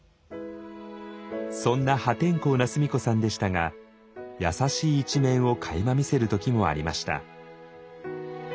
そんな破天荒な須美子さんでしたが優しい一面をかいま見せる時もありました。